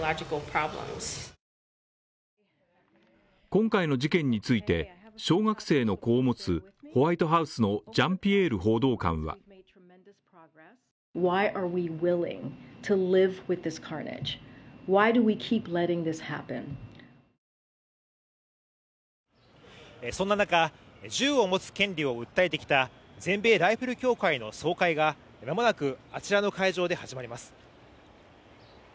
今回の事件について、小学生の子を持つホワイトハウスのジャンピエール報道官はそんな中、銃を持つ権利を訴えてきた全米ライフル協会の総会がまもなく、あちらの会場で始まります。